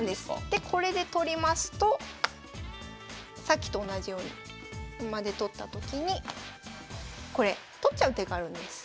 でこれで取りますとさっきと同じように馬で取ったときにこれ取っちゃう手があるんです。